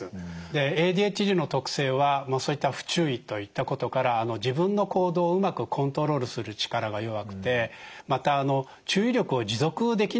ＡＤＨＤの特性はそういった不注意といったことから自分の行動をうまくコントロールする力が弱くてまた注意力を持続できないんですね。